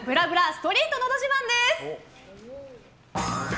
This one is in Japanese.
ストリートのど自慢。